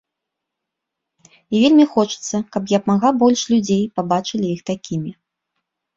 І вельмі хочацца, каб як мага больш людзей пабачыла іх такімі!